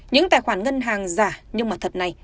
những tài khoản ngân hàng giả nhưng mà thật này